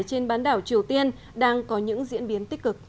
trên bán đảo triều tiên